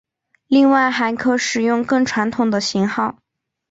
另外还可使用更传统的型号。